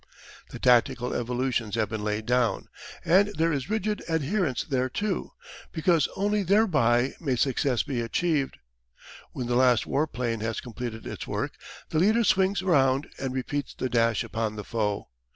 The tactical evolutions have been laid down, and there is rigid adherence thereto, because only thereby may success be achieved. When the last war plane has completed its work, the leader swings round and repeats the dash upon the foe.